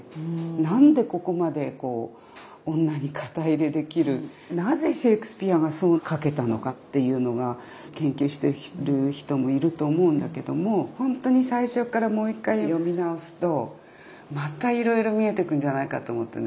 何でここまで女に肩入れできるなぜシェイクスピアがそう書けたのかっていうのが研究してる人もいると思うんだけども本当に最初からもう一回読み直すとまたいろいろ見えてくるんじゃないかと思ってね。